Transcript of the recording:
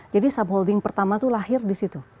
jadi subholding pertama itu lahir di situ